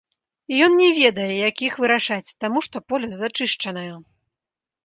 І ён не ведае, як іх вырашаць, таму што поле зачышчанае.